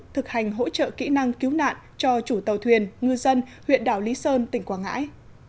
thực hành hỗ trợ kỹ năng cứu nạn cho chủ tàu thuyền ngư dân huyện đảo lý sơn tỉnh quảng ngãi